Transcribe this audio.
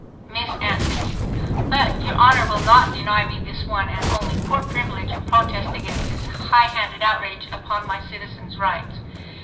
Miss ANTHONY—But, your Honor will not deny me this one and only poor privilege of protest against this highhanded outrage upon my citizen's rights.